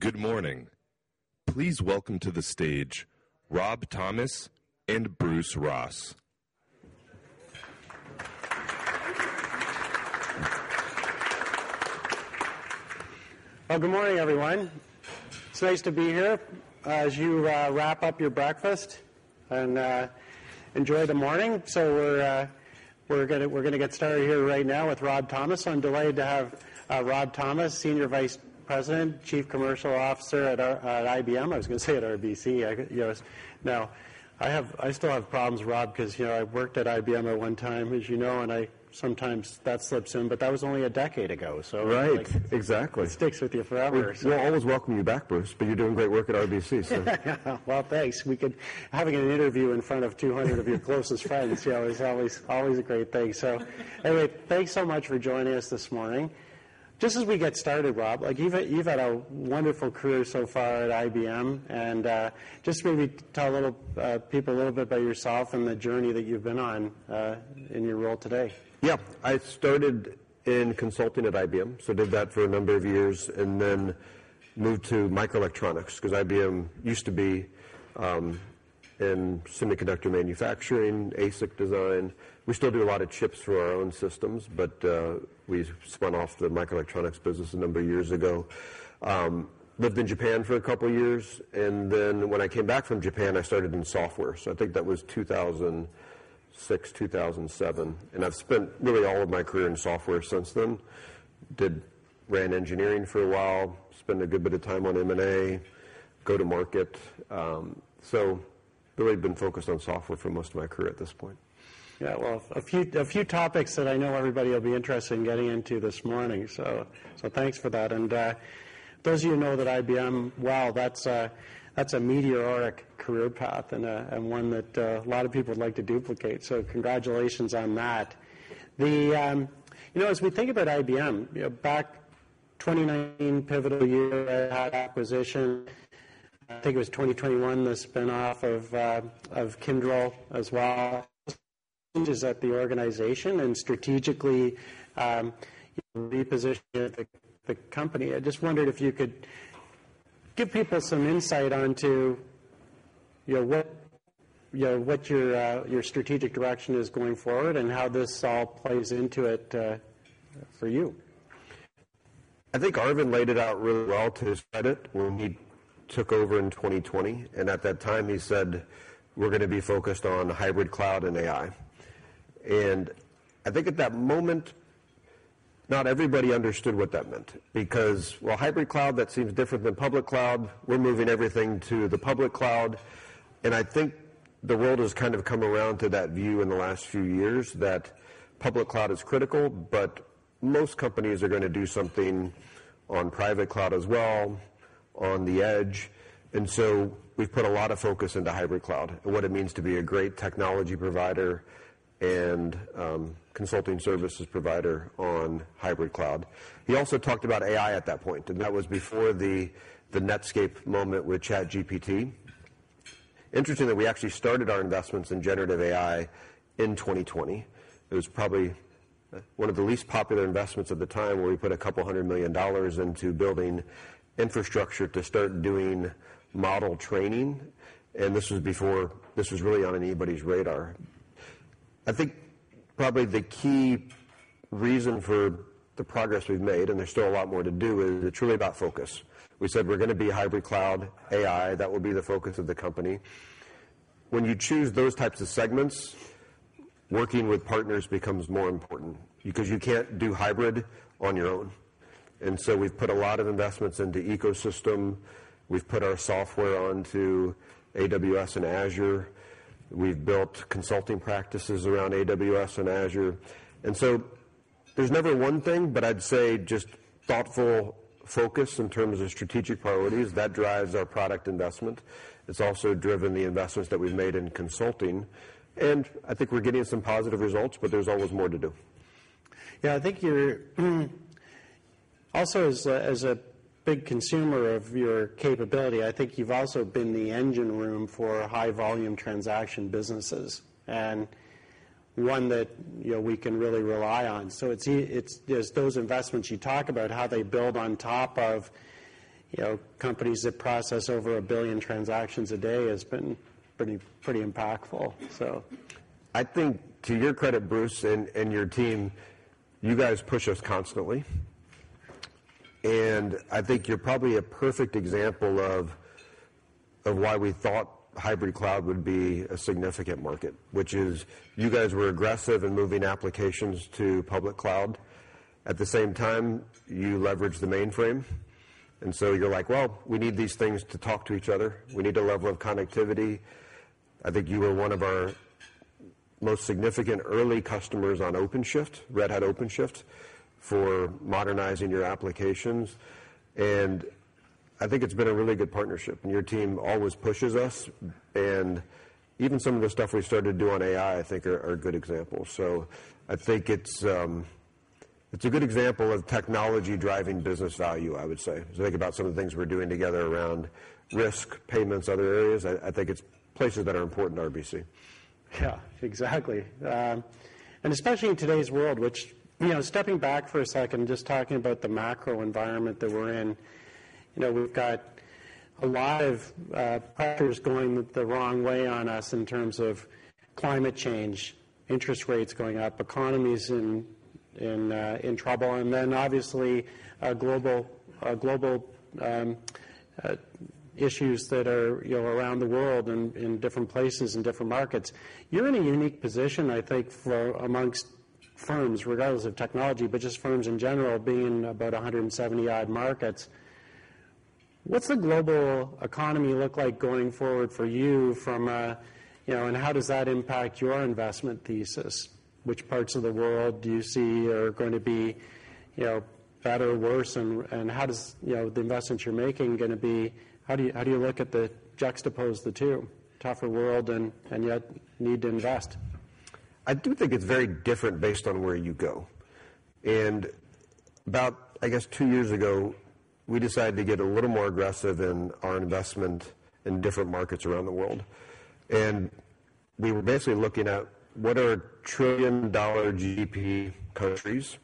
Good morning. Please welcome to the stage Rob Thomas and Bruce Ross. Well, good morning, everyone. It's nice to be here as you wrap up your breakfast and enjoy the morning. We're going to get started here right now with Rob Thomas. I'm delighted to have Rob Thomas, Senior Vice President, Chief Commercial Officer at IBM. I was going to say at RBC. No. I still have problems, Rob, because I worked at IBM at one time, as you know, and sometimes that slips in, but that was only a decade ago. Right. Exactly. It sticks with you forever, so. We'll always welcome you back, Bruce, but you're doing great work at RBC, so. Well, thanks. Having an interview in front of 200 of your closest friends, yeah, always a great thing. Anyway, thanks so much for joining us this morning. Just as we get started, Rob, you've had a wonderful career so far at IBM, just maybe tell people a little bit about yourself and the journey that you've been on in your role today. Yeah. I started in consulting at IBM, so did that for a number of years, and then moved to microelectronics, because IBM used to be in semiconductor manufacturing, ASIC design. We still do a lot of chips for our own systems, but we spun off the microelectronics business a number of years ago. Lived in Japan for a couple of years, and then when I came back from Japan, I started in software. I think that was 2006, 2007. I've spent really all of my career in software since then. Ran engineering for a while, spent a good bit of time on M&A, go-to-market. Really been focused on software for most of my career at this point. Yeah. Well, a few topics that I know everybody will be interested in getting into this morning, so thanks for that. Those of you who know that IBM, wow, that's a meteoric career path and one that a lot of people would like to duplicate, so congratulations on that. As we think about IBM, back 2019, pivotal year, Red Hat acquisition. I think it was 2021, the spin-off of Kyndryl as well, changes at the organization and strategically repositioned the company. I just wondered if you could give people some insight into what your strategic direction is going forward and how this all plays into it for you. I think Arvind laid it out really well, to his credit, when he took over in 2020. At that time, he said, "We're going to be focused on hybrid cloud and AI." I think at that moment, not everybody understood what that meant. Because while hybrid cloud, that seems different than public cloud, we're moving everything to the public cloud. I think the world has kind of come around to that view in the last few years, that public cloud is critical, but most companies are going to do something on private cloud as well, on the edge. We've put a lot of focus into hybrid cloud and what it means to be a great technology provider and consulting services provider on hybrid cloud. He also talked about AI at that point, and that was before the Netscape moment with ChatGPT. Interesting that we actually started our investments in generative AI in 2020. It was probably one of the least popular investments at the time, where we put a couple hundred million USD into building infrastructure to start doing model training, and this was before this was really on anybody's radar. I think probably the key reason for the progress we've made, and there's still a lot more to do, is it's truly about focus. We said we're going to be hybrid cloud, AI. That will be the focus of the company. When you choose those types of segments, working with partners becomes more important because you can't do hybrid on your own. We've put a lot of investments into ecosystem. We've put our software onto AWS and Azure. We've built consulting practices around AWS and Azure. There's never one thing, but I'd say just thoughtful focus in terms of strategic priorities. That drives our product investment. It's also driven the investments that we've made in consulting, and I think we're getting some positive results, but there's always more to do. Yeah, I think you're also as a big consumer of your capability, I think you've also been the engine room for high volume transaction businesses and one that we can really rely on. It's those investments you talk about, how they build on top of companies that process over 1 billion transactions a day has been pretty impactful. I think to your credit, Bruce, and your team, you guys push us constantly. I think you're probably a perfect example of why we thought hybrid cloud would be a significant market, which is you guys were aggressive in moving applications to public cloud. At the same time, you leveraged the mainframe. You're like, "Well, we need these things to talk to each other. We need a level of connectivity." I think you were one of our most significant early customers on OpenShift, Red Hat OpenShift, for modernizing your applications. I think it's been a really good partnership. Your team always pushes us. Even some of the stuff we've started to do on AI I think are good examples. I think it's a good example of technology driving business value, I would say. If you think about some of the things we're doing together around risk, payments, other areas, I think it's places that are important to RBC. Yeah, exactly. Especially in today's world, which stepping back for a second, just talking about the macro environment that we're in. We've got a lot of factors going the wrong way on us in terms of climate change, interest rates going up, economies in trouble. Obviously, global issues that are around the world in different places and different markets. You're in a unique position, I think, amongst firms, regardless of technology, but just firms in general, being in about 170 odd markets. What's the global economy look like going forward for you, and how does that impact your investment thesis? Which parts of the world do you see are going to be better or worse, and how do the investments you're making going to be? How do you juxtapose the two: tougher world and yet need to invest? I do think it's very different based on where you go. About, I guess, two years ago, we decided to get a little more aggressive in our investment in different markets around the world. We were basically looking at what are trillion-dollar GDP countries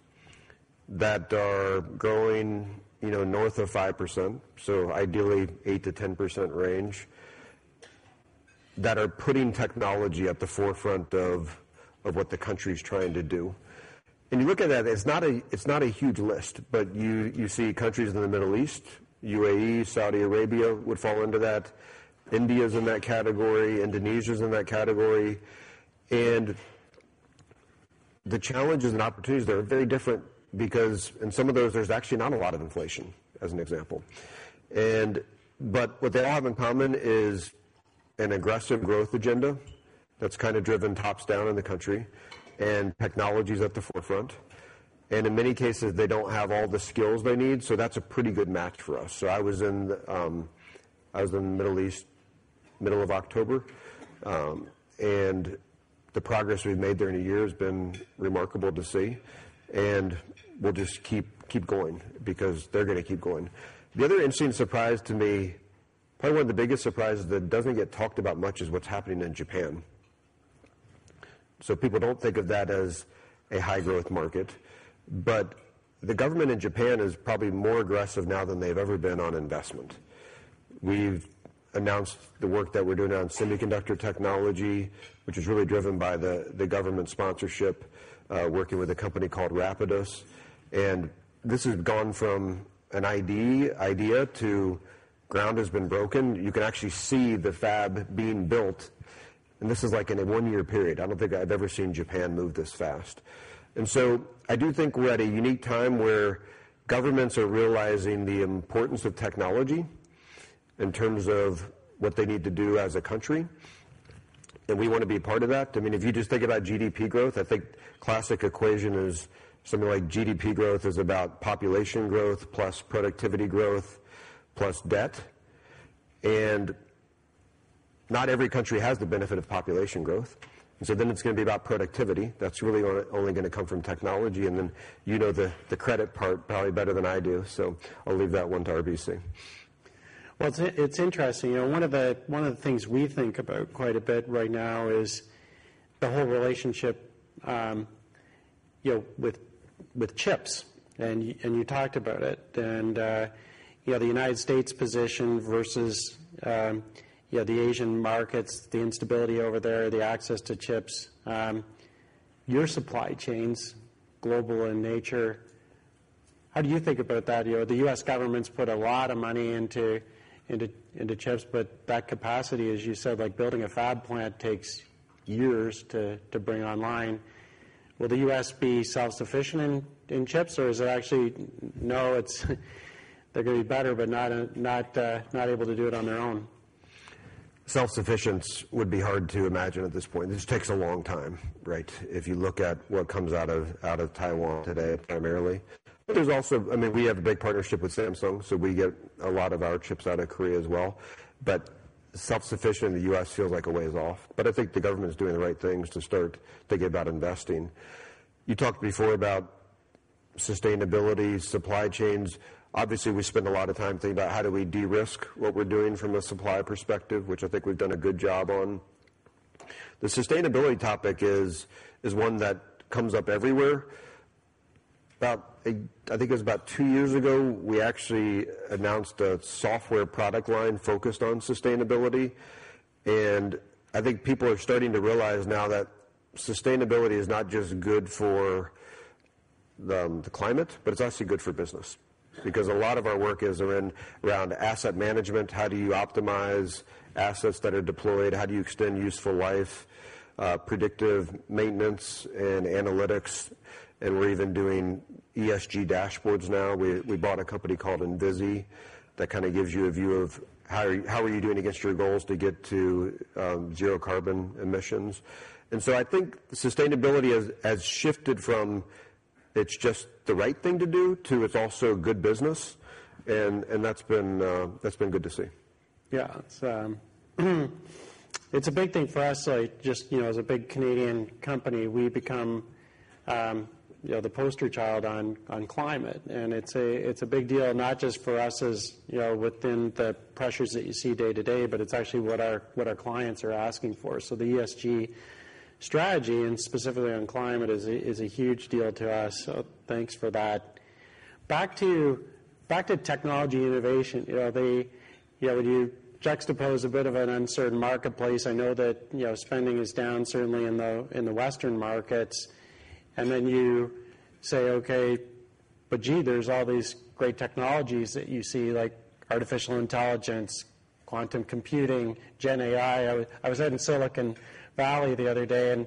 that are growing north of 5%, so ideally 8%-10% range, that are putting technology at the forefront of what the country's trying to do. You look at that, it's not a huge list, but you see countries in the Middle East, UAE, Saudi Arabia would fall into that. India's in that category. Indonesia's in that category. The challenges and opportunities there are very different because in some of those, there's actually not a lot of inflation, as an example. What they all have in common is an aggressive growth agenda that's driven tops-down in the country, and technology's at the forefront. In many cases, they don't have all the skills they need, so that's a pretty good match for us. I was in the Middle East middle of October. The progress we've made there in a year has been remarkable to see. We'll just keep going because they're going to keep going. The other interesting surprise to me, probably one of the biggest surprises that doesn't get talked about much, is what's happening in Japan. People don't think of that as a high-growth market, but the government in Japan is probably more aggressive now than they've ever been on investment. We've announced the work that we're doing on semiconductor technology, which is really driven by the government sponsorship, working with a company called Rapidus. This has gone from an idea to ground has been broken. You can actually see the fab being built, and this is like in a one-year period. I don't think I've ever seen Japan move this fast. I do think we're at a unique time where governments are realizing the importance of technology in terms of what they need to do as a country, and we want to be a part of that. If you just think about GDP growth, I think classic equation is something like GDP growth is about population growth plus productivity growth plus debt, and not every country has the benefit of population growth. It's going to be about productivity. That's really only going to come from technology, and then you know the credit part probably better than I do, so I'll leave that one to RBC. Well, it's interesting. One of the things we think about quite a bit right now is the whole relationship with chips and you talked about it and the U.S. position versus the Asian markets, the instability over there, the access to chips. Your supply chain's global in nature. How do you think about that? The U.S. government's put a lot of money into chips, but that capacity, as you said, like building a fab plant takes years to bring online. Will the U.S. be self-sufficient in chips, or is it actually, no, they're going to be better, but not able to do it on their own? Self-sufficiencies would be hard to imagine at this point. It just takes a long time, right? If you look at what comes out of Taiwan today, primarily. We have a big partnership with Samsung, so we get a lot of our chips out of Korea as well. Self-sufficient in the U.S. feels like a ways off, but I think the government's doing the right things to start thinking about investing. You talked before about sustainability, supply chains. Obviously, we spend a lot of time thinking about how do we de-risk what we're doing from a supplier perspective, which I think we've done a good job on. The sustainability topic is one that comes up everywhere. I think it was about two years ago, we actually announced a software product line focused on sustainability, I think people are starting to realize now that sustainability is not just good for the climate, but it's actually good for business. A lot of our work is around asset management. How do you optimize assets that are deployed? How do you extend useful life, predictive maintenance, and analytics? We're even doing ESG dashboards now. We bought a company called Envizi that gives you a view of how are you doing against your goals to get to zero carbon emissions. I think sustainability has shifted from it's just the right thing to do to it's also good business, and that's been good to see. Yeah. It's a big thing for us. Just as a big Canadian company, we've become the poster child on climate, it's a big deal, not just for us as within the pressures that you see day to day, but it's actually what our clients are asking for. The ESG strategy, specifically on climate, is a huge deal to us, thanks for that. Back to technology innovation. When you juxtapose a bit of an uncertain marketplace, I know that spending is down certainly in the Western markets, you say, "Okay, but gee, there's all these great technologies that you see, like artificial intelligence, quantum computing, GenAI." I was out in Silicon Valley the other day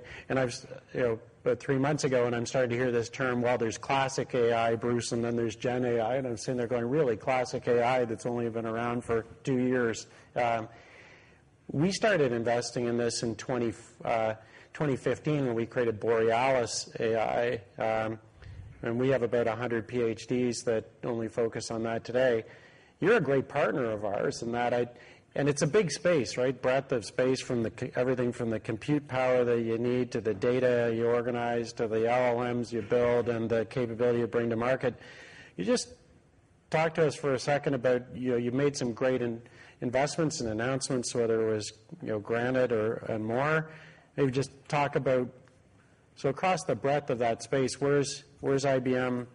about three months ago, I'm starting to hear this term, "Well, there's classic AI, Bruce, and then there's GenAI." I'm sitting there going, "Really? Classic AI that's only been around for two years." We started investing in this in 2015 when we created Borealis AI, we have about 100 PhDs that only focus on that today. You're a great partner of ours in that. It's a big space, right? Breadth of space from everything from the compute power that you need, to the data you organize, to the LLMs you build, the capability you bring to market. Just talk to us for a second about, you've made some great investments and announcements, whether it was Granite or more. Maybe just talk about across the breadth of that space, where's IBM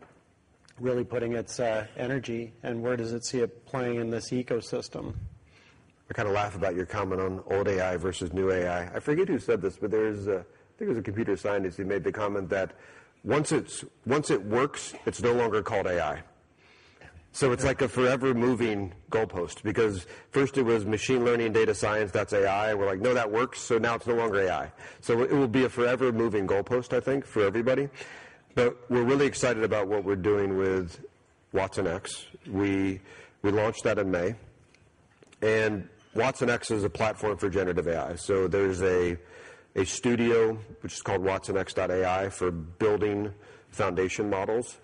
really putting its energy, and where does it see it playing in this ecosystem? I kind of laugh about your comment on old AI versus new AI. I forget who said this, but I think it was a computer scientist who made the comment that once it works, it's no longer called AI. It's like a forever moving goalpost, because first it was machine learning, data science, that's AI. We're like, "No, that works, so now it's no longer AI." It will be a forever moving goalpost, I think, for everybody. We're really excited about what we're doing with watsonx. We launched that in May. watsonx is a platform for GenAI. There's a studio, which is called watsonx.ai, for building foundation models.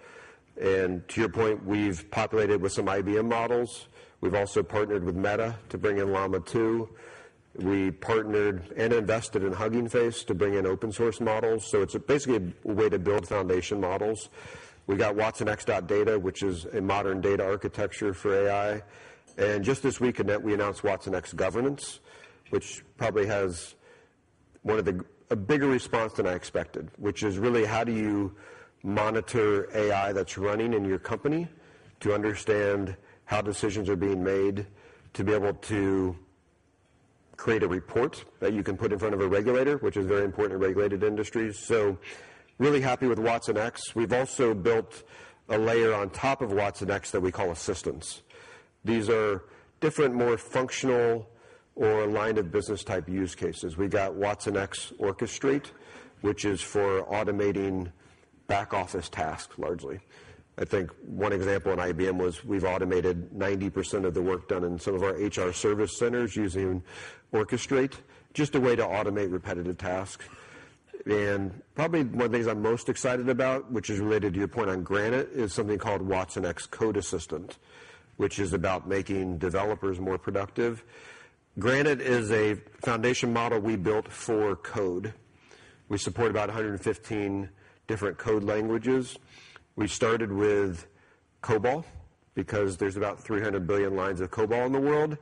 To your point, we've populated with some IBM models. We've also partnered with Meta to bring in Llama 2. We partnered and invested in Hugging Face to bring in open source models. It's basically a way to build foundation models. We've got watsonx.data, which is a modern data architecture for AI. Just this week, we announced watsonx.governance, which probably has a bigger response than I expected, which is really how do you monitor AI that's running in your company to understand how decisions are being made, to be able to create a report that you can put in front of a regulator, which is very important in regulated industries. Really happy with watsonx. We've also built a layer on top of watsonx that we call Assistance. These are different, more functional or line of business type use cases. We've got watsonx Orchestrate, which is for automating back office tasks, largely. I think one example in IBM was we've automated 90% of the work done in some of our HR service centers using Orchestrate, just a way to automate repetitive tasks. Probably one of the things I'm most excited about, which is related to your point on Granite, is something called watsonx Code Assistant, which is about making developers more productive. Granite is a foundation model we built for code. We support about 115 different code languages. We started with COBOL because there's about 300 billion lines of COBOL in the world.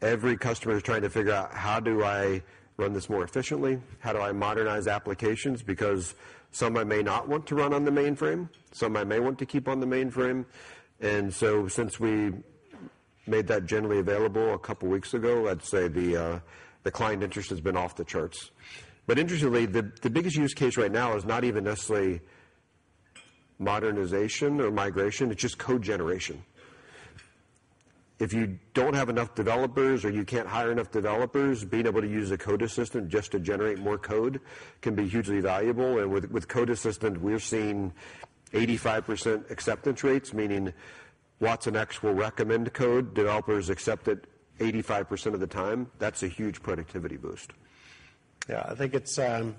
Every customer is trying to figure out, how do I run this more efficiently? How do I modernize applications? Because some I may not want to run on the mainframe, some I may want to keep on the mainframe. Since we made that generally available a couple of weeks ago, I'd say the client interest has been off the charts. Interestingly, the biggest use case right now is not even necessarily modernization or migration, it's just code generation. If you don't have enough developers or you can't hire enough developers, being able to use a code assistant just to generate more code can be hugely valuable. With Code Assistant, we're seeing 85% acceptance rates, meaning watsonx will recommend code, developers accept it 85% of the time. That's a huge productivity boost. Yeah, I think it's a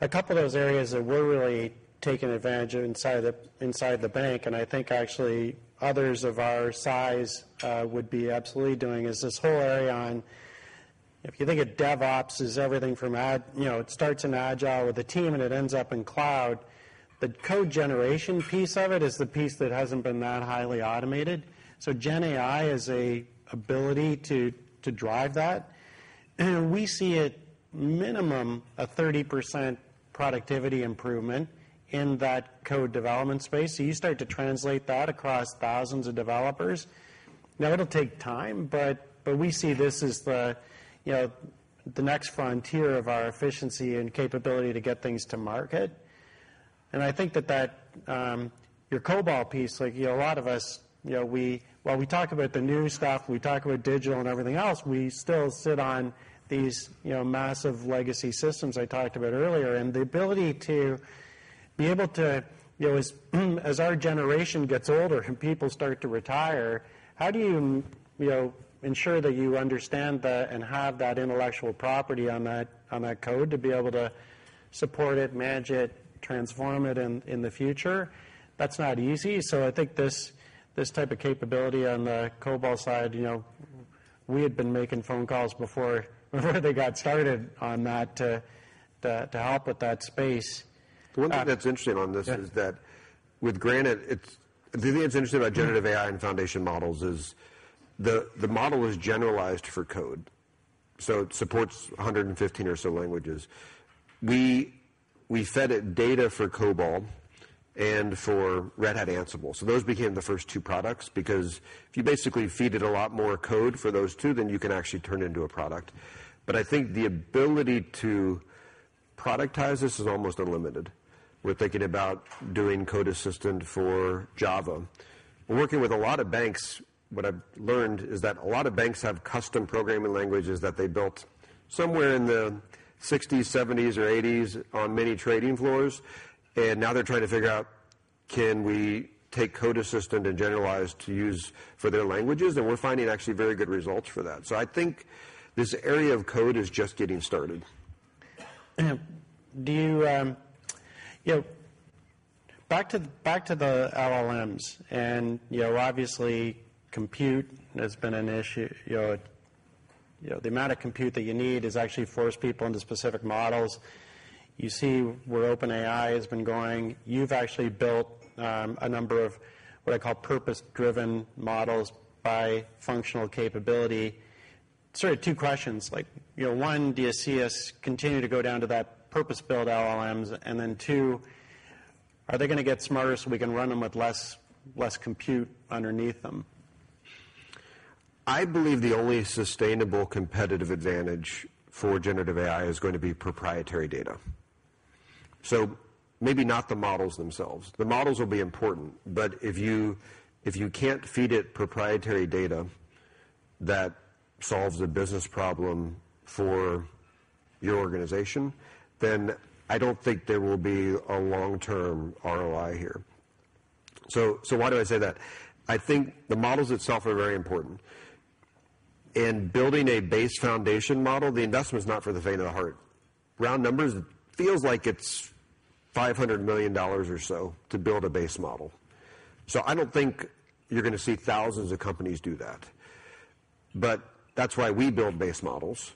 couple of those areas that we're really taking advantage of inside the bank, and I think actually others of our size would be absolutely doing, is this whole area on, if you think of DevOps as everything from It starts in Agile with a team, and it ends up in cloud. The code generation piece of it is the piece that hasn't been that highly automated. GenAI is a ability to drive that. We see at minimum a 30% productivity improvement in that code development space. You start to translate that across thousands of developers. Now it'll take time, but we see this as the next frontier of our efficiency and capability to get things to market. I think that your COBOL piece, like a lot of us, while we talk about the new stuff, we talk about digital and everything else, we still sit on these massive legacy systems I talked about earlier. The ability to be able to, as our generation gets older and people start to retire, how do you ensure that you understand that and have that intellectual property on that code to be able to support it, manage it, transform it in the future? That's not easy. I think this type of capability on the COBOL side, we had been making phone calls before they got started on that to help with that space. The one thing that's interesting on this is that with Granite, the thing that's interesting about generative AI and foundation models is the model is generalized for code It supports 115 or so languages. We fed it data for COBOL and for Red Hat Ansible. Those became the first two products because if you basically feed it a lot more code for those two, then you can actually turn it into a product. I think the ability to productize this is almost unlimited. We're thinking about doing Code Assistant for Java. We're working with a lot of banks. What I've learned is that a lot of banks have custom programming languages that they built somewhere in the '60s, '70s, or '80s on many trading floors. Now they're trying to figure out, can we take Code Assistant and generalize to use for their languages? We're finding actually very good results for that. I think this area of code is just getting started. Back to the LLMs. Obviously compute has been an issue. The amount of compute that you need has actually forced people into specific models. You see where OpenAI has been going. You've actually built a number of what I call purpose-driven models by functional capability. Sort of two questions. One, do you see us continue to go down to that purpose-built LLMs? Two, are they going to get smarter so we can run them with less compute underneath them? I believe the only sustainable competitive advantage for generative AI is going to be proprietary data. Maybe not the models themselves. The models will be important, but if you can't feed it proprietary data that solves a business problem for your organization, then I don't think there will be a long-term ROI here. Why do I say that? I think the models itself are very important. In building a base foundation model, the investment is not for the faint of the heart. Round numbers, feels like it's $500 million or so to build a base model. I don't think you're going to see thousands of companies do that, but that's why we build base models.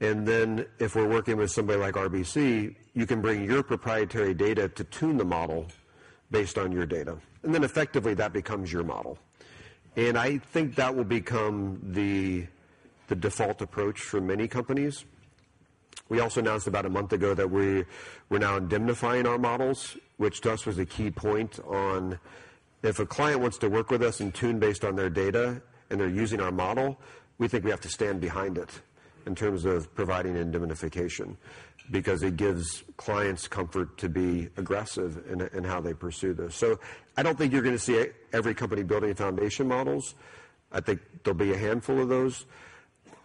If we're working with somebody like RBC, you can bring your proprietary data to tune the model based on your data. Effectively, that becomes your model. I think that will become the default approach for many companies. We also announced about a month ago that we're now indemnifying our models, which to us was a key point on if a client wants to work with us and tune based on their data and they're using our model, we think we have to stand behind it in terms of providing indemnification, because it gives clients comfort to be aggressive in how they pursue this. I don't think you're going to see every company building foundation models. I think there'll be a handful of those.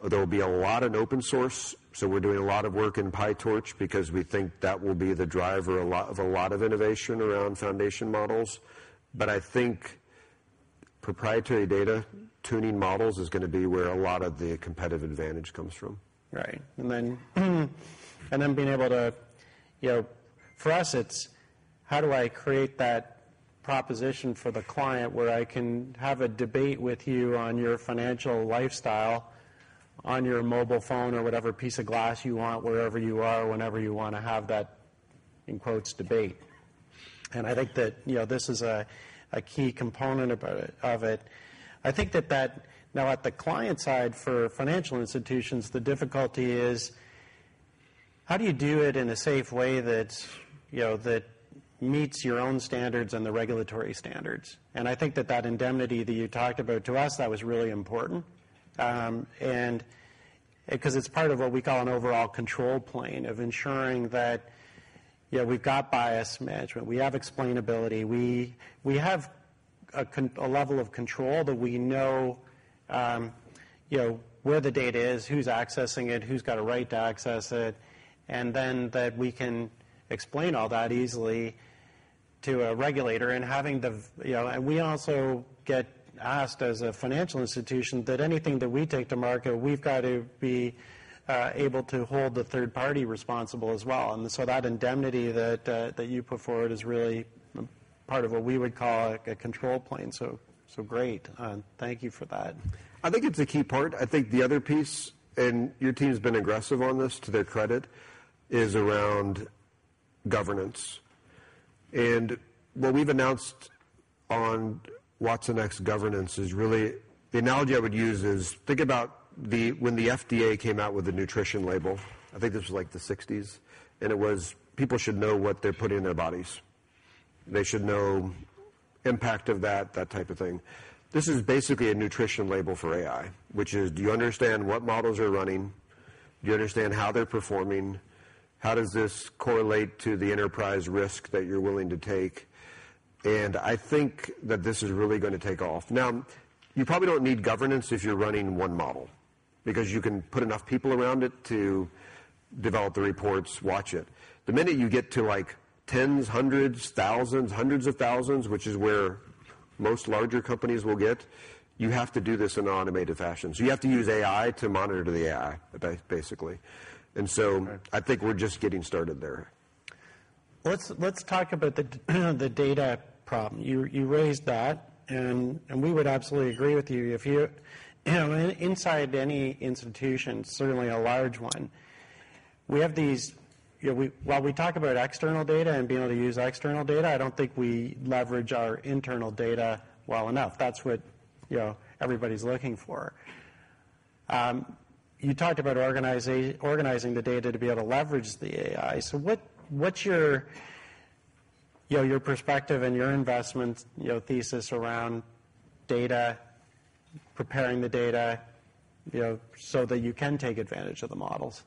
There'll be a lot in open source, we're doing a lot of work in PyTorch because we think that will be the driver of a lot of innovation around foundation models. I think proprietary data tuning models is going to be where a lot of the competitive advantage comes from. Then being able to, for us, it's how do I create that proposition for the client where I can have a debate with you on your financial lifestyle on your mobile phone or whatever piece of glass you want, wherever you are, whenever you want to have that "debate." I think that this is a key component of it. I think that now at the client side for financial institutions, the difficulty is how do you do it in a safe way that meets your own standards and the regulatory standards? I think that that indemnity that you talked about, to us, that was really important. It's part of what we call an overall control plane of ensuring that we've got bias management, we have explainability, we have a level of control that we know where the data is, who's accessing it, who's got a right to access it, and that we can explain all that easily to a regulator. We also get asked as a financial institution that anything that we take to market, we've got to be able to hold the third party responsible as well. That indemnity that you put forward is really part of what we would call a control plane. Great. Thank you for that. I think it's a key part. I think the other piece, your team's been aggressive on this, to their credit, is around governance. What we've announced on watsonx governance is really the analogy I would use is think about when the FDA came out with the nutrition label. I think this was like the '60s, it was people should know what they put in their bodies. They should know impact of that type of thing. This is basically a nutrition label for AI, which is, do you understand what models are running? Do you understand how they're performing? How does this correlate to the enterprise risk that you're willing to take? I think that this is really going to take off. You probably don't need governance if you're running one model, because you can put enough people around it to develop the reports, watch it. The minute you get to 10s, 100s, 1,000s, 100,000s, which is where most larger companies will get, you have to do this in an automated fashion. You have to use AI to monitor the AI, basically. Right I think we're just getting started there. Let's talk about the data problem. You raised that, we would absolutely agree with you. Inside any institution, certainly a large one. We have these. While we talk about external data and being able to use external data, I don't think we leverage our internal data well enough. That's what everybody's looking for. You talked about organizing the data to be able to leverage the AI. What's your perspective and your investment thesis around data, preparing the data, so that you can take advantage of the models?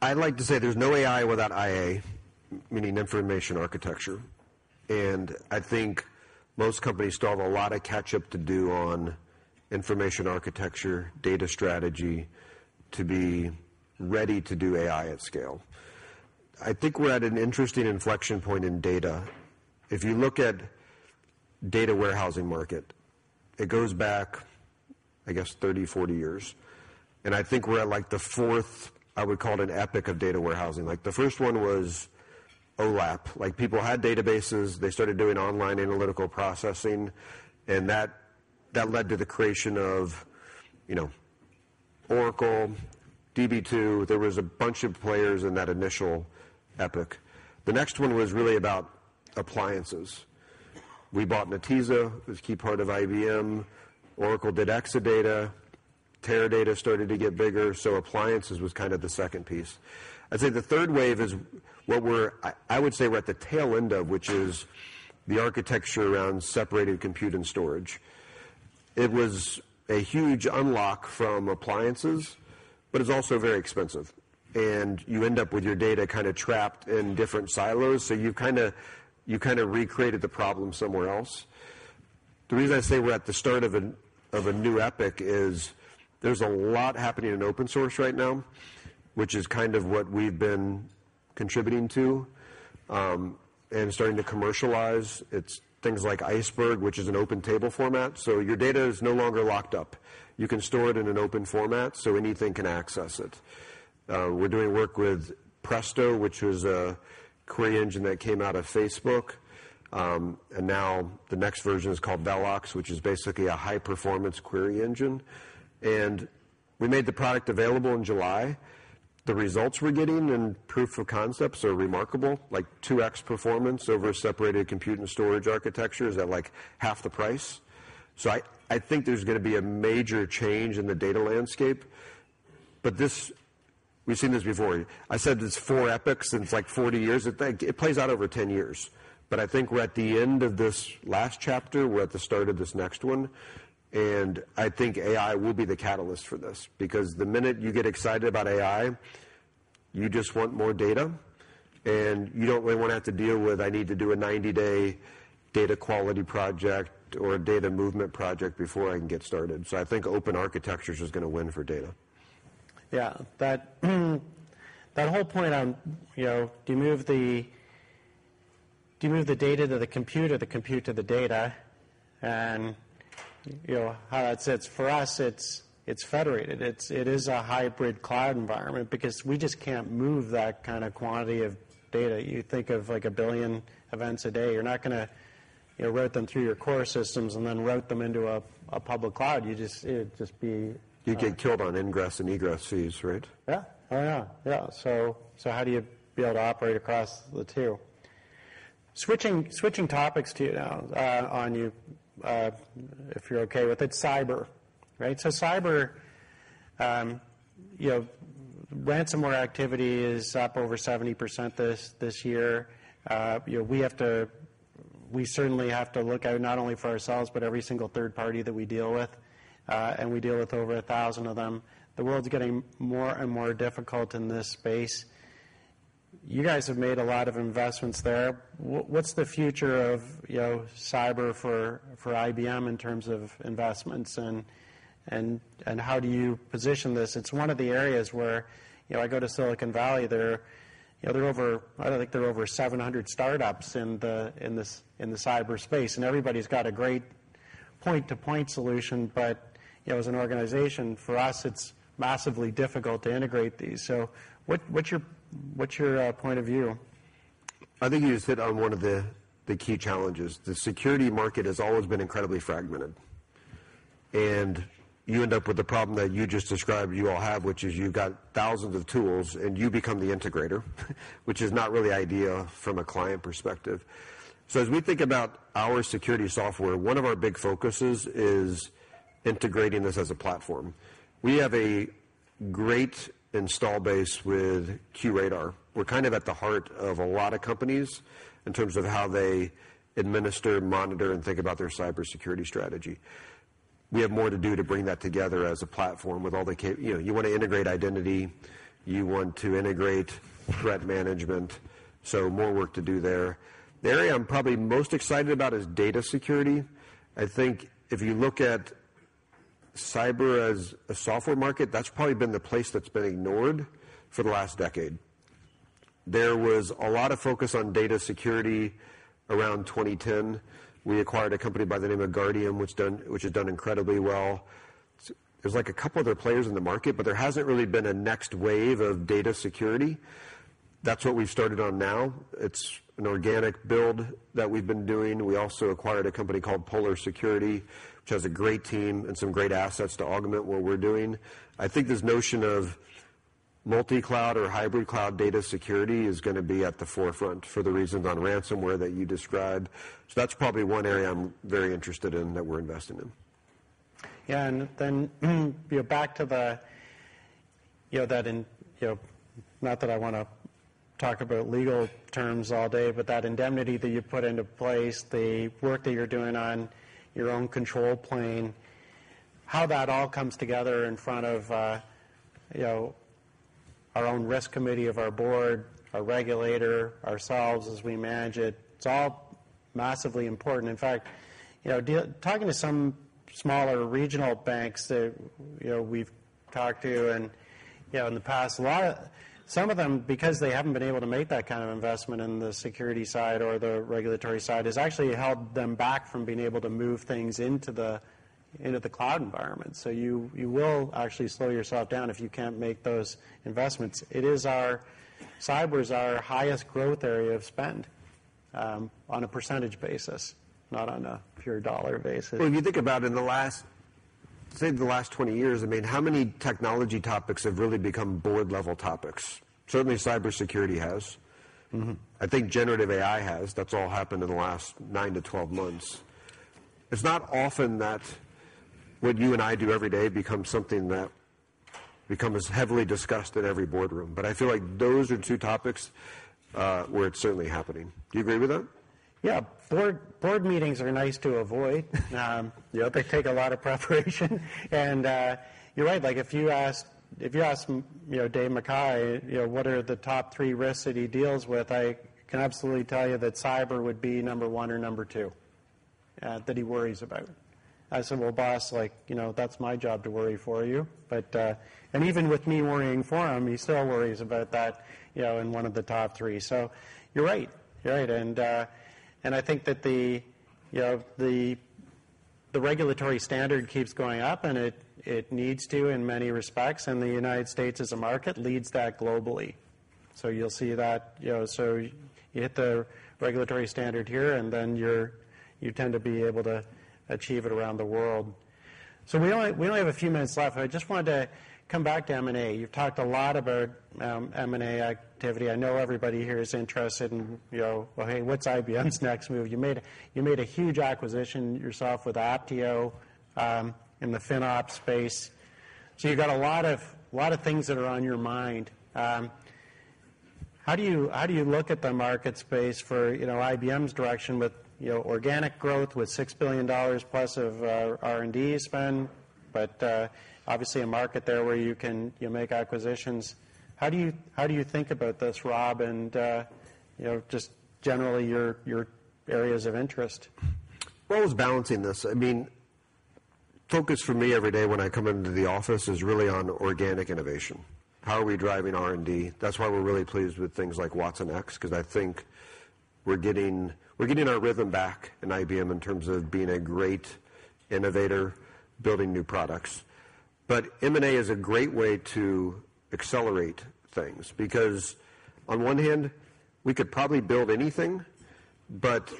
I'd like to say there's no AI without IA, meaning information architecture. I think most companies still have a lot of catch-up to do on information architecture, data strategy, to be ready to do AI at scale. I think we're at an interesting inflection point in data. If you look at data warehousing market, it goes back, I guess, 30, 40 years, I think we're at the fourth, I would call it an epoch of data warehousing. The first one was OLAP. People had databases. They started doing online analytical processing, that led to the creation of Oracle, Db2. There was a bunch of players in that initial epoch. The next one was really about appliances. We bought Netezza. It was a key part of IBM. Oracle did Exadata. Teradata started to get bigger. Appliances was kind of the second piece. I'd say the third wave is what we're at the tail end of, which is the architecture around separating compute and storage. It was a huge unlock from appliances, but it's also very expensive, and you end up with your data kind of trapped in different silos. You've kind of recreated the problem somewhere else. The reason I say we're at the start of a new epoch is there's a lot happening in open source right now, which is kind of what we've been contributing to and starting to commercialize. It's things like Iceberg, which is an open table format. Your data is no longer locked up. You can store it in an open format. Anything can access it. We're doing work with Presto, which was a query engine that came out of Facebook. The next version is called Velox, which is basically a high-performance query engine. We made the product available in July. The results we're getting and proof of concepts are remarkable, like 2X performance over a separated compute and storage architecture is at half the price. I think there's going to be a major change in the data landscape. This, we've seen this before. I said it's four epochs, and it's like 40 years. It plays out over 10 years. I think we're at the end of this last chapter. We're at the start of this next one, and I think AI will be the catalyst for this because the minute you get excited about AI, you just want more data, and you don't really want to have to deal with, "I need to do a 90-day data quality project or a data movement project before I can get started." I think open architecture is just going to win for data. Yeah. That whole point on, do you move the data to the compute or the compute to the data? How that sits for us, it's federated. It is a hybrid cloud environment because we just can't move that kind of quantity of data. You think of like a billion events a day. You're not going to route them through your core systems and then route them into a public cloud. You'd get killed on ingress and egress fees, right? Yeah. Oh, yeah. How do you be able to operate across the two? Switching topics to you now, on you, if you're okay with it, cyber, right? Cyber, ransomware activity is up over 70% this year. We certainly have to look out not only for ourselves, but every single third party that we deal with. We deal with over 1,000 of them. The world's getting more and more difficult in this space. You guys have made a lot of investments there. What's the future of cyber for IBM in terms of investments, and how do you position this? It's one of the areas where I go to Silicon Valley. I think there are over 700 startups in the cyber space, and everybody's got a great point-to-point solution. As an organization, for us, it's massively difficult to integrate these. What's your point of view? I think you just hit on one of the key challenges. The security market has always been incredibly fragmented. You end up with the problem that you just described you all have, which is you've got thousands of tools, and you become the integrator which is not really ideal from a client perspective. As we think about our security software, one of our big focuses is integrating this as a platform. We have a great install base with QRadar. We're kind of at the heart of a lot of companies in terms of how they administer, monitor, and think about their cybersecurity strategy. We have more to do to bring that together as a platform. You want to integrate identity, you want to integrate threat management, more work to do there. The area I'm probably most excited about is data security. I think if you look at cyber as a software market, that's probably been the place that's been ignored for the last decade. There was a lot of focus on data security around 2010. We acquired a company by the name of Guardium, which has done incredibly well. There's a couple other players in the market, but there hasn't really been a next wave of data security. That's what we've started on now. It's an organic build that we've been doing. We also acquired a company called Polar Security, which has a great team and some great assets to augment what we're doing. I think this notion of multi-cloud or hybrid cloud data security is going to be at the forefront for the reasons on ransomware that you described. That's probably one area I'm very interested in that we're investing in. Yeah. Back to the Not that I want to talk about legal terms all day, that indemnity that you put into place, the work that you're doing on your own control plane, how that all comes together in front of our own risk committee of our board, our regulator, ourselves as we manage it's all massively important. In fact, talking to some smaller regional banks that we've talked to in the past, some of them, because they haven't been able to make that kind of investment in the security side or the regulatory side, has actually held them back from being able to move things into the cloud environment. You will actually slow yourself down if you can't make those investments. Cyber is our highest growth area of spend, on a percentage basis, not on a pure dollar basis. Well, if you think about it, say, in the last 20 years, how many technology topics have really become board-level topics? Certainly, cybersecurity has. I think generative AI has. That's all happened in the last nine to 12 months. It's not often that what you and I do every day becomes something that becomes heavily discussed in every boardroom, but I feel like those are two topics where it's certainly happening. Do you agree with that? Yeah. Board meetings are nice to avoid. Yep. They take a lot of preparation. You're right, if you ask Dave McKay, what are the top three risks that he deals with, I can absolutely tell you that cyber would be number 1 or number 2 that he worries about. I said, "Well, boss, that's my job to worry for you." Even with me worrying for him, he still worries about that in one of the top three. You're right. I think that the regulatory standard keeps going up, and it needs to in many respects. The United States as a market leads that globally. You'll see that. You hit the regulatory standard here, you tend to be able to achieve it around the world. We only have a few minutes left, I just wanted to come back to M&A. You've talked a lot about M&A activity. I know everybody here is interested in, "Well, hey, what's IBM's next move?" You made a huge acquisition yourself with Apptio in the FinOps space. You've got a lot of things that are on your mind. How do you look at the market space for IBM's direction with organic growth, with $6 billion plus of R&D spend, but obviously a market there where you make acquisitions. How do you think about this, Rob, and just generally your areas of interest? It's balancing this. Focus for me every day when I come into the office is really on organic innovation. How are we driving R&D? That's why we're really pleased with things like watsonx, because I think we're getting our rhythm back in IBM in terms of being a great innovator, building new products. M&A is a great way to accelerate things, because on one hand, we could probably build anything, but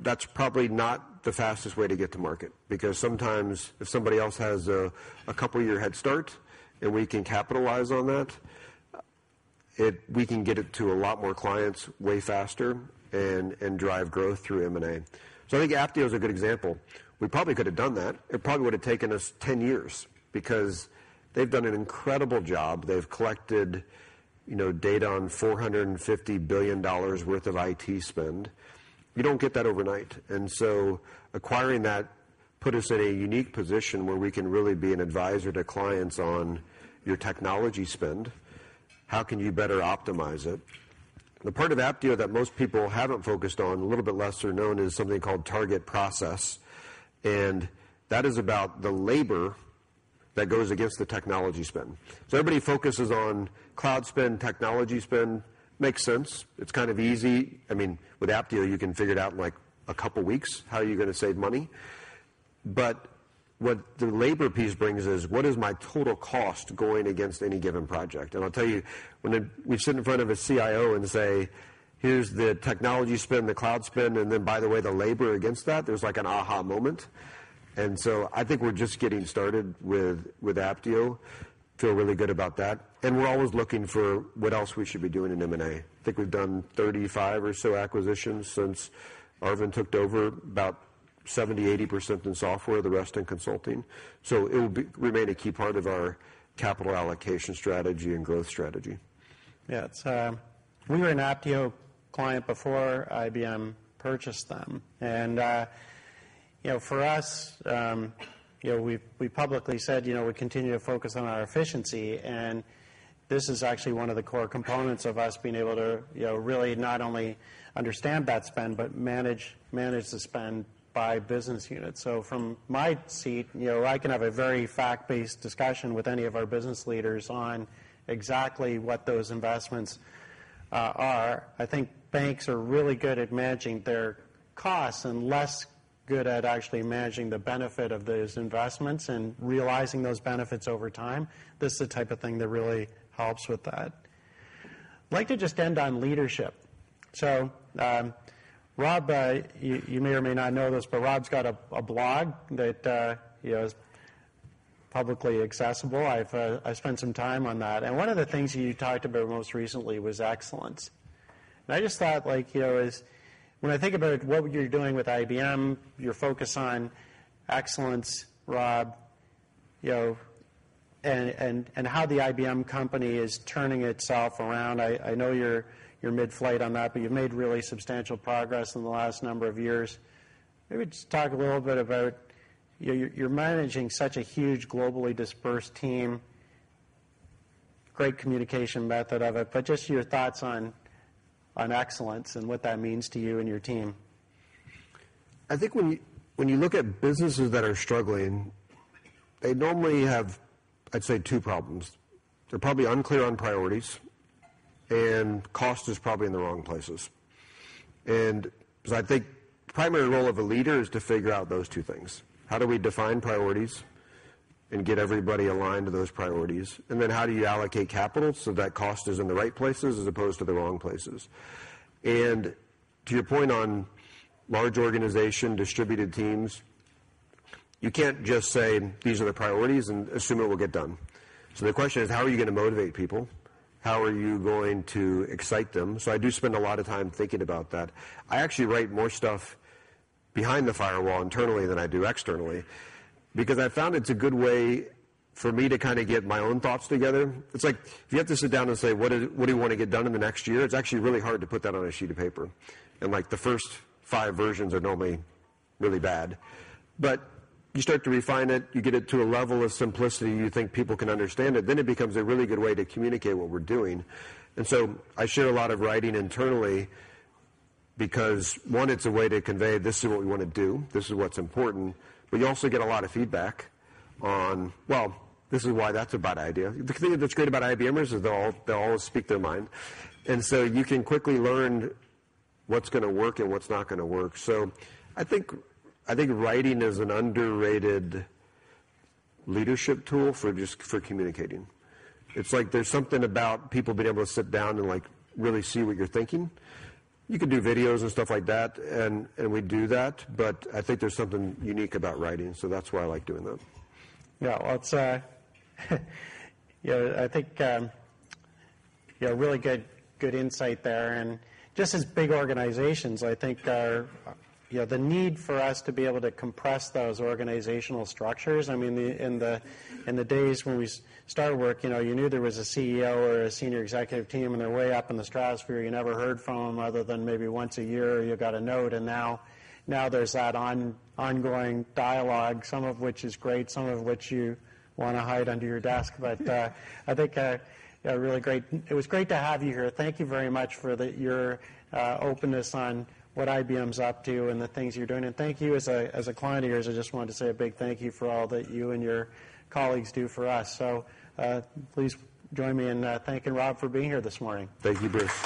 that's probably not the fastest way to get to market, because sometimes if somebody else has a couple-year head start and we can capitalize on that, we can get it to a lot more clients way faster and drive growth through M&A. I think Apptio is a good example. We probably could have done that. It probably would have taken us 10 years because they've done an incredible job. They've collected data on $450 billion worth of IT spend. You don't get that overnight. Acquiring that put us in a unique position where we can really be an advisor to clients on your technology spend, how can you better optimize it. The part of Apptio that most people haven't focused on, a little bit lesser known, is something called Targetprocess, and that is about the labor that goes against the technology spend. Everybody focuses on cloud spend, technology spend. Makes sense. It's kind of easy. With Apptio, you can figure it out in a couple of weeks how you're going to save money. What the labor piece brings is what is my total cost going against any given project? I'll tell you, when we sit in front of a CIO and say, "Here's the technology spend, the cloud spend, and then by the way, the labor against that," there's like an aha moment. I think we're just getting started with Apptio. Feel really good about that. We're always looking for what else we should be doing in M&A. I think we've done 35 or so acquisitions since Arvind took over, about 70%-80% in software, the rest in consulting. It will remain a key part of our capital allocation strategy and growth strategy. Yeah. We were an Apptio client before IBM purchased them. For us, we publicly said we continue to focus on our efficiency, and this is actually one of the core components of us being able to really not only understand that spend but manage the spend by business unit. From my seat, I can have a very fact-based discussion with any of our business leaders on exactly what those investments are. I think banks are really good at managing their costs and less good at actually managing the benefit of those investments and realizing those benefits over time. This is the type of thing that really helps with that. I'd like to just end on leadership. Rob, you may or may not know this, but Rob's got a blog that is publicly accessible. I've spent some time on that. One of the things you talked about most recently was excellence. I just thought, when I think about what you're doing with IBM, your focus on excellence, Rob, and how the IBM company is turning itself around. I know you're mid-flight on that, but you've made really substantial progress in the last number of years. Maybe just talk a little bit about you're managing such a huge, globally dispersed team, great communication method of it, but just your thoughts on excellence and what that means to you and your team. I think when you look at businesses that are struggling, they normally have, I'd say, two problems. They're probably unclear on priorities, and cost is probably in the wrong places. I think the primary role of a leader is to figure out those two things. How do we define priorities and get everybody aligned to those priorities? How do you allocate capital so that cost is in the right places as opposed to the wrong places? To your point on large organization, distributed teams, you can't just say, "These are the priorities," and assume it will get done. The question is, how are you going to motivate people? How are you going to excite them? I do spend a lot of time thinking about that. I actually write more stuff behind the firewall internally than I do externally because I've found it's a good way for me to get my own thoughts together. It's like if you have to sit down and say, "What do you want to get done in the next year?" The first five versions are normally really bad. You start to refine it. You get it to a level of simplicity you think people can understand it, then it becomes a really good way to communicate what we're doing. I share a lot of writing internally because, one, it's a way to convey, this is what we want to do, this is what's important, but you also get a lot of feedback on, well, this is why that's a bad idea. The thing that's great about IBMers is they'll always speak their mind, you can quickly learn what's going to work and what's not going to work. I think writing is an underrated leadership tool for communicating. It's like there's something about people being able to sit down and really see what you're thinking. You can do videos and stuff like that, we do that, but I think there's something unique about writing, that's why I like doing them. Yeah. I think really good insight there. Just as big organizations, I think the need for us to be able to compress those organizational structures. In the days when we started work, you knew there was a CEO or a senior executive team, they're way up in the stratosphere. You never heard from them other than maybe once a year you got a note, now there's that ongoing dialogue, some of which is great, some of which you want to hide under your desk. I think it was great to have you here. Thank you very much for your openness on what IBM's up to and the things you're doing, and thank you as a client of yours. I just wanted to say a big thank you for all that you and your colleagues do for us. Please join me in thanking Rob for being here this morning. Thank you, Bruce.